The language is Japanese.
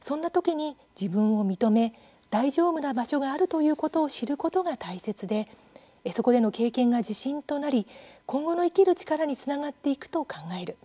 そんな時に、自分を認め大丈夫な場所があるということを知ることが大切でそこでの経験が自信となり今後の生きる力につながっていくと考える。